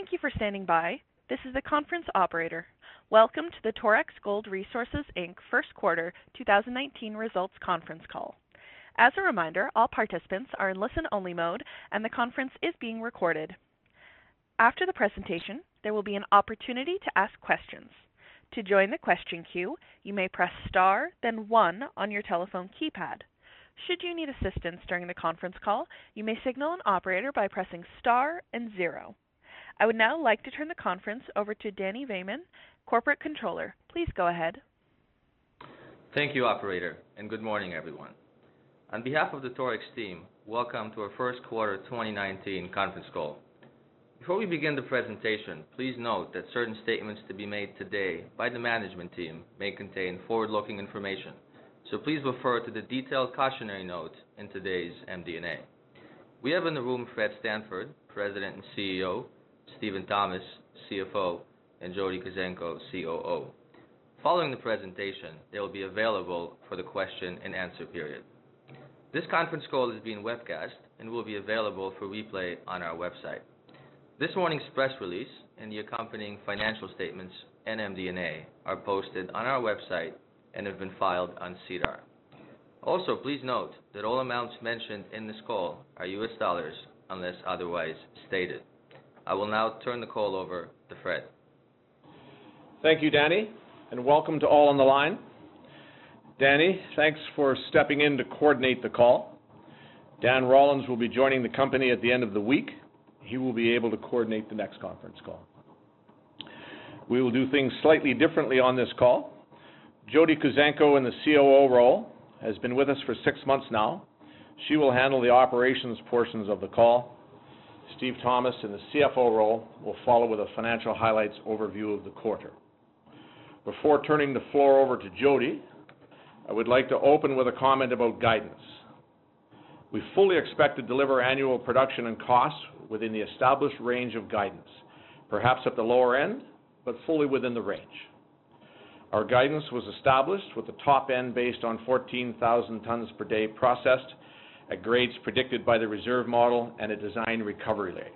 Thank you for standing by. This is the conference operator. Welcome to the Torex Gold Resources Inc. First Quarter 2019 Results Conference Call. As a reminder, all participants are in listen-only mode, and the conference is being recorded. After the presentation, there will be an opportunity to ask questions. To join the question queue, you may press star then one on your telephone keypad. Should you need assistance during the conference call, you may signal an operator by pressing star and zero. I would now like to turn the conference over to Danny Vamin, Corporate Controller. Please go ahead. Thank you, operator, and good morning, everyone. On behalf of the Torex team, welcome to our first quarter 2019 conference call. Before we begin the presentation, please note that certain statements to be made today by the management team may contain forward-looking information. Please refer to the detailed cautionary note in today's MD&A. We have in the room Fred Stanford, President and CEO, Steven Thomas, CFO, and Jody Kuzenko, COO. Following the presentation, they will be available for the question and answer period. This conference call is being webcast and will be available for replay on our website. This morning's press release and the accompanying financial statements and MD&A are posted on our website and have been filed on SEDAR. Also, please note that all amounts mentioned in this call are US dollars unless otherwise stated. I will now turn the call over to Fred. Thank you, Danny, and welcome to all on the line. Danny, thanks for stepping in to coordinate the call. Dan Rollins will be joining the company at the end of the week. He will be able to coordinate the next conference call. We will do things slightly differently on this call. Jody Kuzenko, in the COO role, has been with us for six months now. She will handle the operations portions of the call. Steven Thomas, in the CFO role, will follow with a financial highlights overview of the quarter. Before turning the floor over to Jody, I would like to open with a comment about guidance. We fully expect to deliver annual production and costs within the established range of guidance, perhaps at the lower end, but fully within the range. Our guidance was established with the top end based on 14,000 tons per day processed at grades predicted by the reserve model and at designed recovery rates.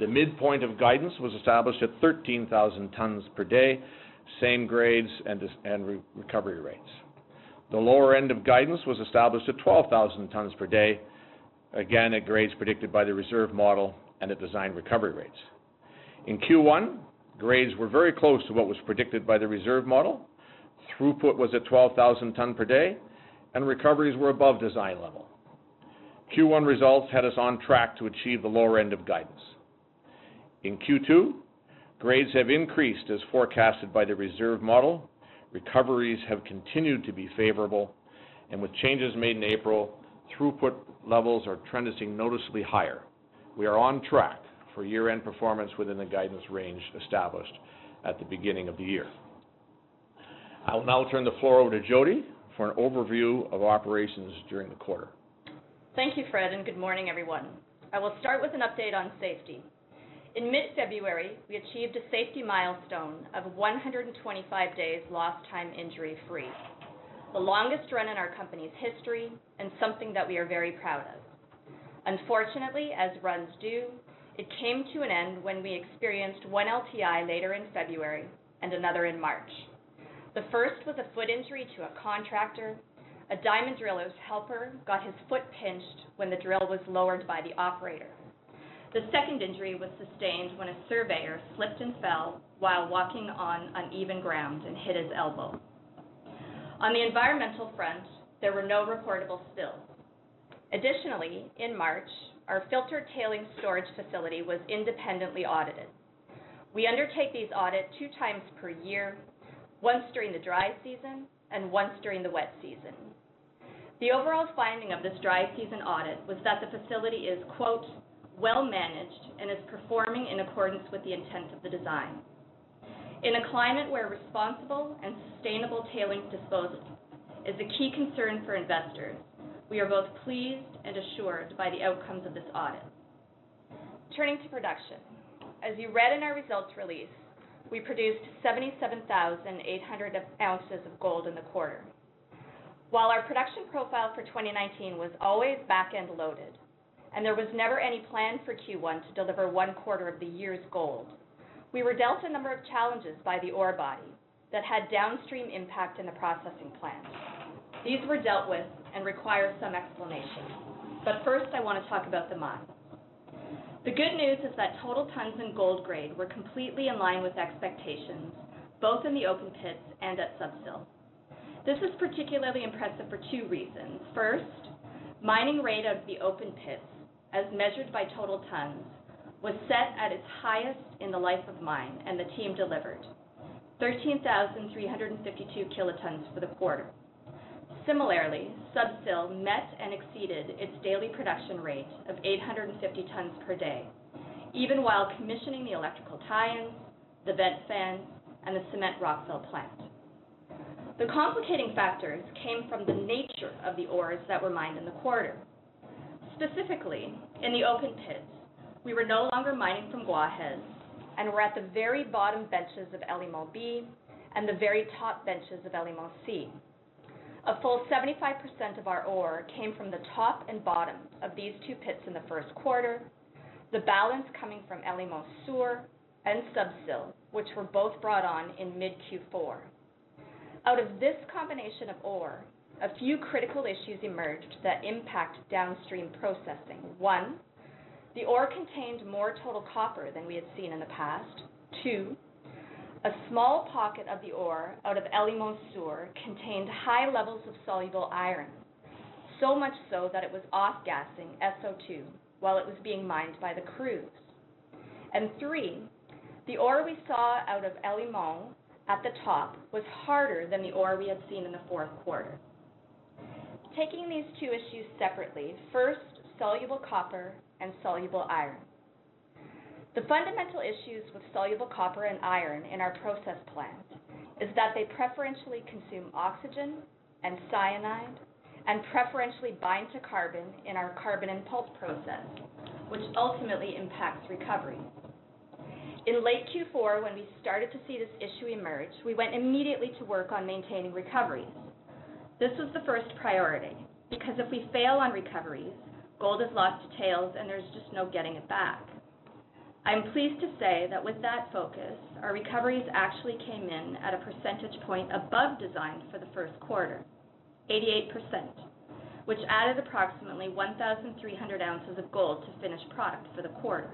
The midpoint of guidance was established at 13,000 tons per day, same grades and recovery rates. The lower end of guidance was established at 12,000 tons per day, again, at grades predicted by the reserve model and at designed recovery rates. In Q1, grades were very close to what was predicted by the reserve model, throughput was at 12,000 tons per day, and recoveries were above design level. In Q2, grades have increased as forecasted by the reserve model, recoveries have continued to be favorable, and with changes made in April, throughput levels are trending noticeably higher. We are on track for year-end performance within the guidance range established at the beginning of the year. I will now turn the floor over to Jody for an overview of operations during the quarter. Thank you, Fred. Good morning, everyone. I will start with an update on safety. In mid-February, we achieved a safety milestone of 125 days lost time injury-free, the longest run in our company's history and something that we are very proud of. Unfortunately, as runs do, it came to an end when we experienced one LTI later in February and another in March. The first was a foot injury to a contractor. A diamond driller's helper got his foot pinched when the drill was lowered by the operator. The second injury was sustained when a surveyor slipped and fell while walking on uneven ground and hit his elbow. On the environmental front, there were no reportable spills. In March, our filter tailings storage facility was independently audited. We undertake these audits two times per year, once during the dry season and once during the wet season. The overall finding of this dry season audit was that the facility is, quote, "well managed and is performing in accordance with the intent of the design." In a climate where responsible and sustainable tailings disposal is a key concern for investors, we are both pleased and assured by the outcomes of this audit. Turning to production. As you read in our results release, we produced 77,800 ounces of gold in the quarter. While our production profile for 2019 was always back-end loaded, and there was never any plan for Q1 to deliver one quarter of the year's gold, we were dealt a number of challenges by the ore body that had downstream impact in the processing plant. These were dealt with and require some explanation. First, I want to talk about the mine. The good news is that total tons and gold grade were completely in line with expectations, both in the open pits and at Sub-Sill. This was particularly impressive for two reasons. First, mining rate of the open pits, as measured by total tons, was set at its highest in the life of mine, and the team delivered 13,352 kilotons for the quarter. Similarly, Sub-Sill met and exceeded its daily production rate of 850 tons per day, even while commissioning the electrical tie-ins, the vent fans, and the cement rock fill plant. The complicating factors came from the nature of the ores that were mined in the quarter. Specifically, in the open pits, we were no longer mining from Guajes, and were at the very bottom benches of El Limón and the very top benches of El Limón C. A full 75% of our ore came from the top and bottom of these two pits in the first quarter, the balance coming from El Limón Sur and Sub-Sill, which were both brought on in mid Q4. Out of this combination of ore, a few critical issues emerged that impact downstream processing. One, the ore contained more total copper than we had seen in the past. Two, a small pocket of the ore out of El Limón Sur contained high levels of soluble iron, so much so that it was off-gassing SO2 while it was being mined by the crews. Three, the ore we saw out of El Limón at the top was harder than the ore we had seen in the fourth quarter. Taking these two issues separately, first, soluble copper and soluble iron. The fundamental issues with soluble copper and iron in our process plant is that they preferentially consume oxygen and cyanide and preferentially bind to carbon in our carbon-in-pulp process, which ultimately impacts recovery. In late Q4, when we started to see this issue emerge, we went immediately to work on maintaining recoveries. This was the first priority, because if we fail on recoveries, gold is lost to tails and there's just no getting it back. I'm pleased to say that with that focus, our recoveries actually came in at a percentage point above design for the first quarter, 88%, which added approximately 1,300 ounces of gold to finished product for the quarter.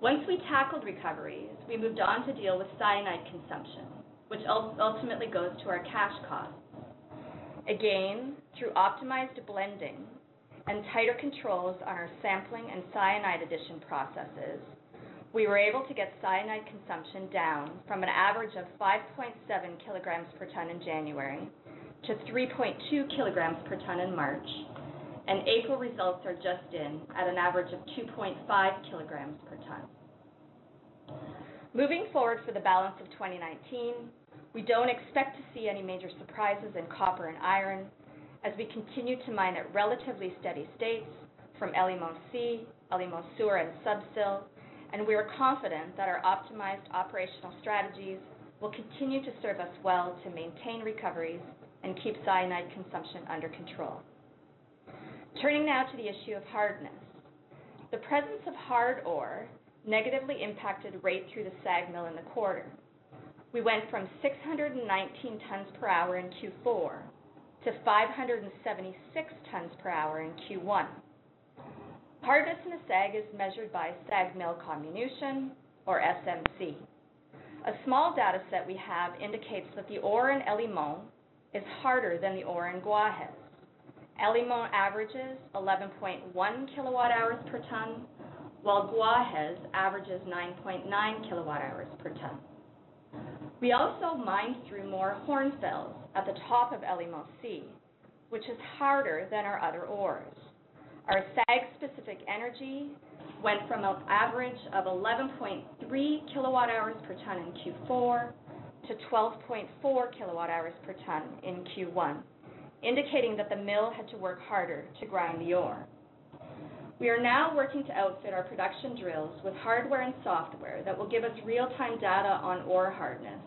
Once we tackled recoveries, we moved on to deal with cyanide consumption, which ultimately goes to our cash costs. Again, through optimized blending and tighter controls on our sampling and cyanide addition processes, we were able to get cyanide consumption down from an average of 5.7 kilograms per ton in January to 3.2 kilograms per ton in March, and April results are just in at an average of 2.5 kilograms per ton. Moving forward for the balance of 2019, we don't expect to see any major surprises in copper and iron as we continue to mine at relatively steady states from El Limón C, El Limón Sur, and Sub-Sill, and we are confident that our optimized operational strategies will continue to serve us well to maintain recoveries and keep cyanide consumption under control. Turning now to the issue of hardness. The presence of hard ore negatively impacted rate through the SAG mill in the quarter. We went from 619 tons per hour in Q4 to 576 tons per hour in Q1. Hardness in the SAG is measured by SAG mill comminution or SMC. A small data set we have indicates that the ore in El Limón is harder than the ore in Guajes. El Limón averages 11.1 kilowatt hours per ton, while Guajes averages 9.9 kilowatt hours per ton. We also mined through more hornfels at the top of El Limón C, which is harder than our other ores. Our SAG-specific energy went from an average of 11.3 kilowatt hours per ton in Q4 to 12.4 kilowatt hours per ton in Q1, indicating that the mill had to work harder to grind the ore. We are now working to outfit our production drills with hardware and software that will give us real-time data on ore hardness.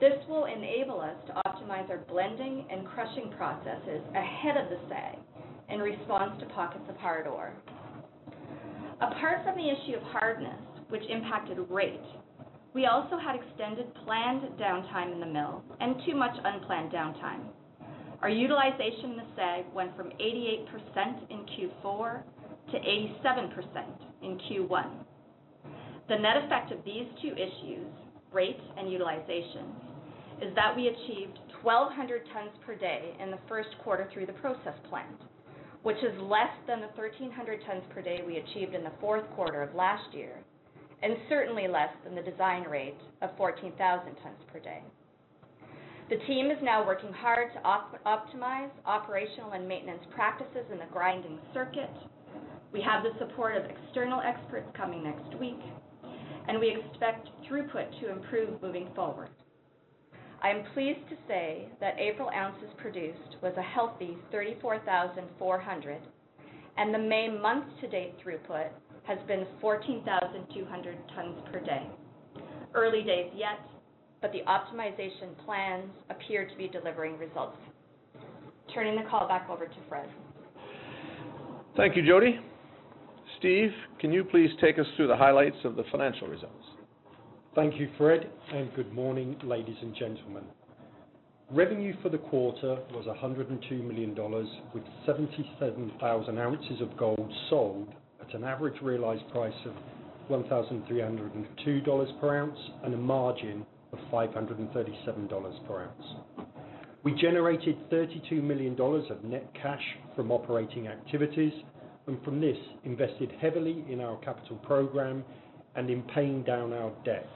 This will enable us to optimize our blending and crushing processes ahead of the SAG in response to pockets of hard ore. Apart from the issue of hardness, which impacted rate, we also had extended planned downtime in the mill and too much unplanned downtime. Our utilization in the SAG went from 88% in Q4 to 87% in Q1. The net effect of these two issues, rates and utilizations, is that we achieved 12,000 tons per day in the first quarter through the process plant, which is less than the 1,300 tons per day we achieved in the fourth quarter of last year, and certainly less than the design rate of 14,000 tons per day. The team is now working hard to optimize operational and maintenance practices in the grinding circuit. We have the support of external experts coming next week. We expect throughput to improve moving forward. I am pleased to say that April ounces produced was a healthy 34,400, and the May month-to-date throughput has been 14,200 tons per day. Early days yet, but the optimization plans appear to be delivering results. Turning the call back over to Fred. Thank you, Jody. Steven, can you please take us through the highlights of the financial results? Thank you, Fred. Good morning, ladies and gentlemen. Revenue for the quarter was $102 million, with 77,000 ounces of gold sold at an average realized price of $1,302 per ounce and a margin of $537 per ounce. We generated $32 million of net cash from operating activities, and from this, invested heavily in our capital program and in paying down our debt.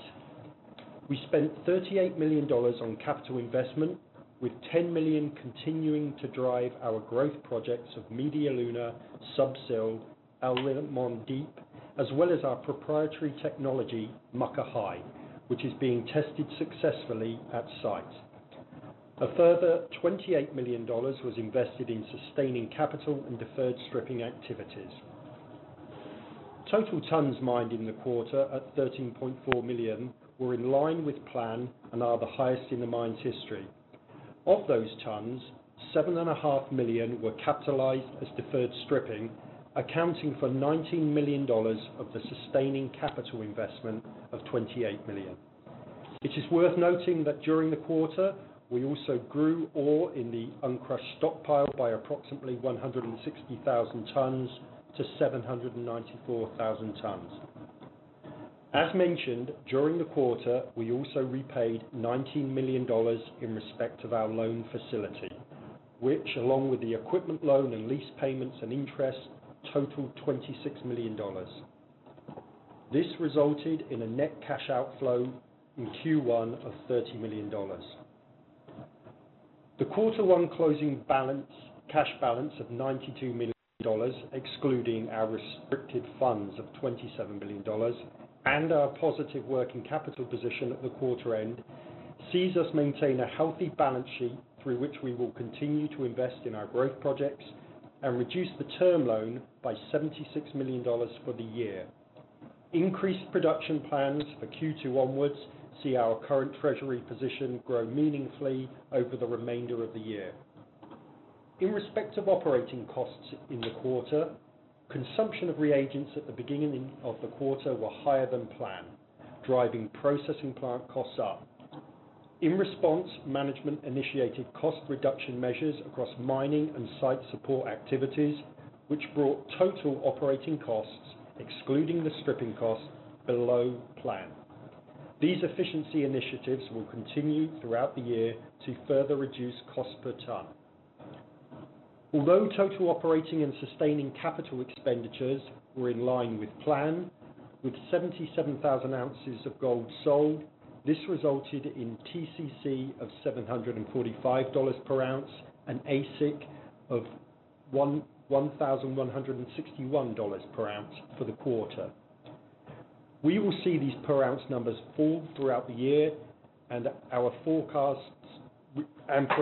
We spent $38 million on capital investment, with $10 million continuing to drive our growth projects of Media Luna, Sub-Sill, El Limón Deep, as well as our proprietary technology, Muckahi, which is being tested successfully at site. A further $28 million was invested in sustaining capital and deferred stripping activities. Total tons mined in the quarter at 13.4 million were in line with plan and are the highest in the mine's history. Of those tons, 7.5 million were capitalized as deferred stripping, accounting for $19 million of the sustaining capital investment of $28 million. It is worth noting that during the quarter, we also grew ore in the uncrushed stockpile by approximately 160,000 tons to 794,000 tons. As mentioned, during the quarter, we also repaid $19 million in respect of our loan facility, which along with the equipment loan and lease payments and interest, totaled $26 million. This resulted in a net cash outflow in Q1 of $30 million. The quarter one closing cash balance of $92 million, excluding our restricted funds of $27 million and our positive working capital position at the quarter end, sees us maintain a healthy balance sheet through which we will continue to invest in our growth projects and reduce the term loan by $76 million for the year. Increased production plans for Q2 onwards see our current treasury position grow meaningfully over the remainder of the year. In respect of operating costs in the quarter, consumption of reagents at the beginning of the quarter were higher than planned, driving processing plant costs up. In response, management initiated cost reduction measures across mining and site support activities, which brought total operating costs, excluding the stripping costs, below plan. These efficiency initiatives will continue throughout the year to further reduce cost per ton. Although total operating and sustaining capital expenditures were in line with plan, with 77,000 ounces of gold sold, this resulted in TCC of $745 per ounce, and AISC of $1,161 per ounce for the quarter. We will see these per-ounce numbers fall throughout the year and for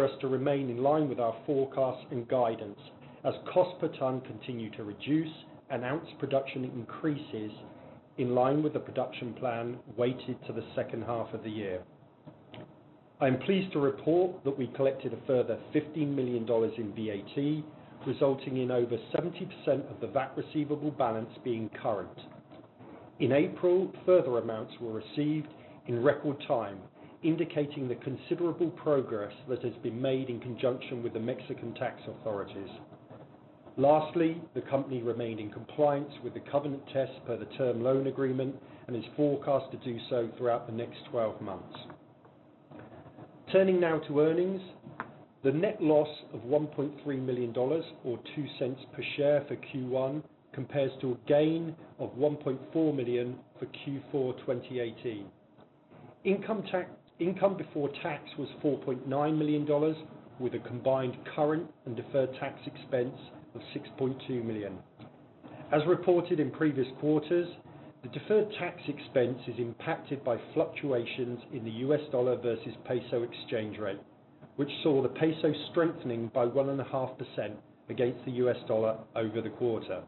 us to remain in line with our forecast and guidance as cost per ton continue to reduce and ounce production increases in line with the production plan weighted to the second half of the year. I'm pleased to report that we collected a further $15 million in VAT, resulting in over 70% of the VAT receivable balance being current. In April, further amounts were received in record time, indicating the considerable progress that has been made in conjunction with the Mexican tax authorities. Lastly, the company remained in compliance with the covenant test per the term loan agreement and is forecast to do so throughout the next 12 months. Turning now to earnings. The net loss of $1.3 million or $0.02 per share for Q1 compares to a gain of $1.4 million for Q4 2018. Income before tax was $4.9 million, with a combined current and deferred tax expense of $6.2 million. As reported in previous quarters, the deferred tax expense is impacted by fluctuations in the US dollar versus peso exchange rate, which saw the peso strengthening by 1.5% against the US dollar over the quarter.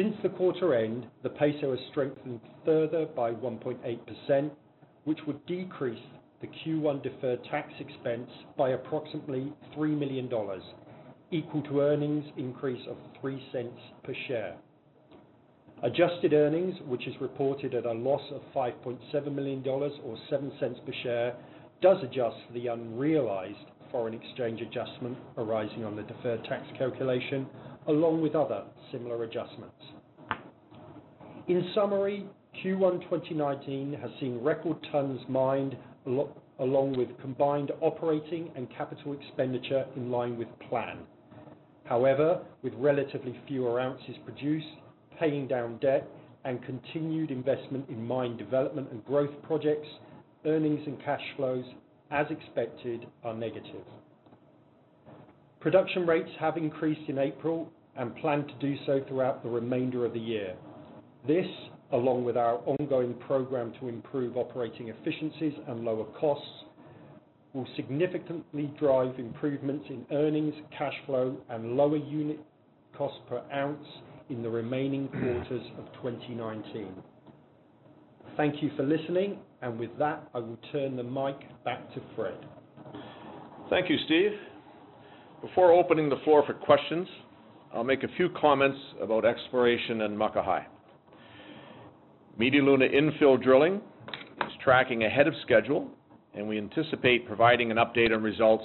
Since the quarter end, the peso has strengthened further by 1.8%, which would decrease the Q1 deferred tax expense by approximately $3 million, equal to earnings increase of $0.03 per share. Adjusted earnings, which is reported at a loss of $5.7 million or $0.07 per share, does adjust for the unrealized foreign exchange adjustment arising on the deferred tax calculation along with other similar adjustments. In summary, Q1 2019 has seen record tons mined, along with combined operating and capital expenditure in line with plan. However, with relatively fewer ounces produced, paying down debt, and continued investment in mine development and growth projects, earnings and cash flows, as expected, are negative. Production rates have increased in April and plan to do so throughout the remainder of the year. This, along with our ongoing program to improve operating efficiencies and lower costs, will significantly drive improvements in earnings, cash flow, and lower unit cost per ounce in the remaining quarters of 2019. Thank you for listening. With that, I will turn the mic back to Fred. Thank you, Steven. Before opening the floor for questions, I'll make a few comments about exploration in Muckahi. Media Luna infill drilling is tracking ahead of schedule, and we anticipate providing an update on results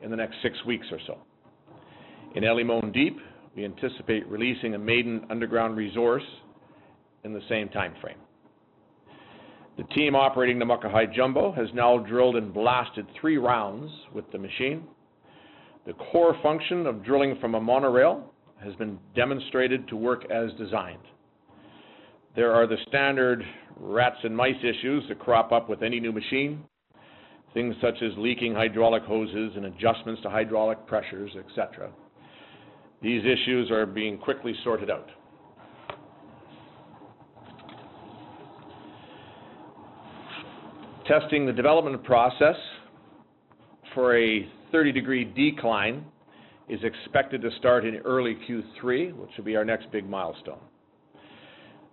in the next six weeks or so. In El Limón Deep, we anticipate releasing a maiden underground resource in the same timeframe. The team operating the Muckahi jumbo has now drilled and blasted three rounds with the machine. The core function of drilling from a monorail has been demonstrated to work as designed. There are the standard rats and mice issues that crop up with any new machine, things such as leaking hydraulic hoses and adjustments to hydraulic pressures, et cetera. These issues are being quickly sorted out. Testing the development process for a 30-degree decline is expected to start in early Q3, which will be our next big milestone.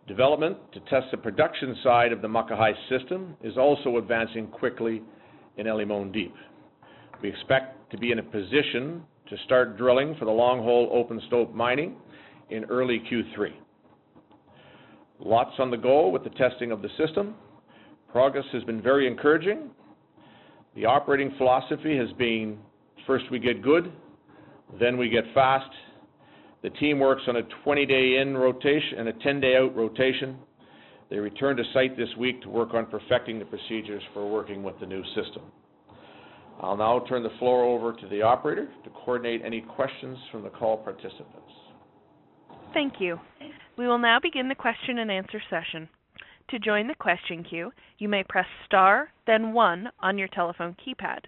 Development to test the production side of the Muckahi system is also advancing quickly in El Limón Deep. We expect to be in a position to start drilling for the long-hole open stope mining in early Q3. Lots on the go with the testing of the system. Progress has been very encouraging. The operating philosophy has been first we get good, then we get fast. The team works on a 20-day in rotation and a 10-day out rotation. They returned to site this week to work on perfecting the procedures for working with the new system. I'll now turn the floor over to the operator to coordinate any questions from the call participants. Thank you. We will now begin the question and answer session. To join the question queue, you may press star then one on your telephone keypad.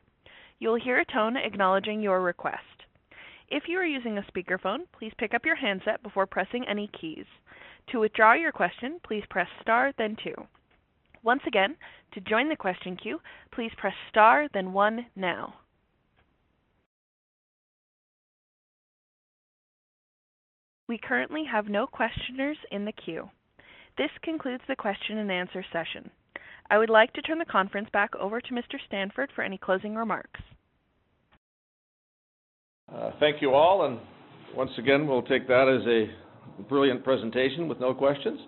You will hear a tone acknowledging your request. If you are using a speakerphone, please pick up your handset before pressing any keys. To withdraw your question, please press star then two. Once again, to join the question queue, please press star then one now. We currently have no questioners in the queue. This concludes the question and answer session. I would like to turn the conference back over to Mr. Stanford for any closing remarks. Thank you all. Once again, we'll take that as a brilliant presentation with no questions.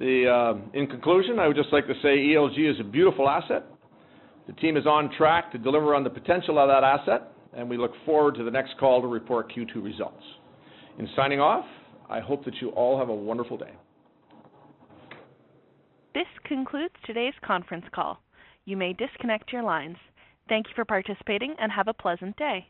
In conclusion, I would just like to say ELG is a beautiful asset. The team is on track to deliver on the potential of that asset, and we look forward to the next call to report Q2 results. In signing off, I hope that you all have a wonderful day. This concludes today's conference call. You may disconnect your lines. Thank you for participating and have a pleasant day.